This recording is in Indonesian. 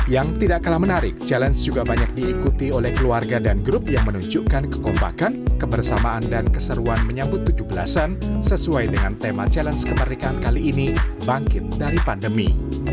yang tidak kalah menarik challenge juga banyak diikuti oleh keluarga dan grup yang menunjukkan kekompakan kebersamaan dan keseruan menyambut tujuh belas an sesuai dengan tema challenge kemerdekaan kali ini bangkit dari pandemi